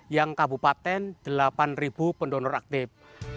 yang kabupaten delapan pendonor aktif